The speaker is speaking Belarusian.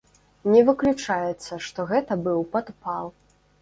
Не выключаецца, што гэта быў падпал.